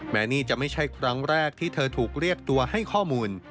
แม้นี่จะไม่ใช่ครั้งแรกที่เธอถูกเรียกตัวให้ข้อมูล